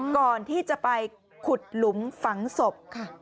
ก่อนที่จะไปขุดหลุมฝังศพค่ะ